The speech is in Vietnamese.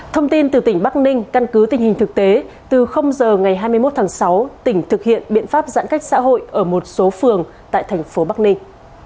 thông tin từ tỉnh bắc ninh căn cứ tình hình thực tế từ giờ ngày hai mươi một tháng sáu tỉnh thực hiện biện pháp giãn cách xã hội ở một số phường tại thành phố bắc ninh